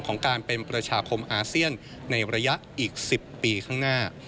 ของการเป็นประชาคมอาเซียนในระยะอีก๑๐ปีข้างหน้า